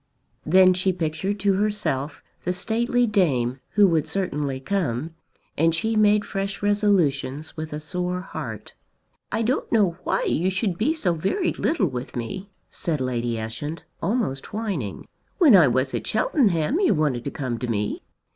Then she pictured to herself the stately dame who would certainly come, and she made fresh resolutions with a sore heart. "I don't know why you should be so very little with me," said Lady Ushant, almost whining. "When I was at Cheltenham you wanted to come to me."